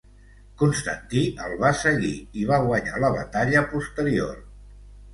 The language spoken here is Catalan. Constantí el va seguir i va guanyar la batalla posterior.